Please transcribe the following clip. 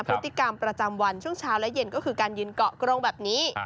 พฤติกรรมประจำวันช่วงเช้าและเย็นก็คือการยืนเกาะกรงแบบนี้